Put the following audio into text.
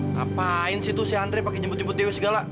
ngapain sih tuh si andre pake jemput jemput dewi segala